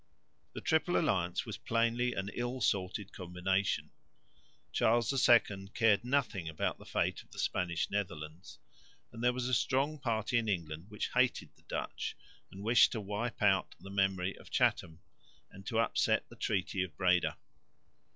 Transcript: The Triple Alliance was plainly an ill assorted combination. Charles II cared nothing about the fate of the Spanish Netherlands, and there was a strong party in England which hated the Dutch and wished to wipe out the memory of Chatham and to upset the treaty of Breda.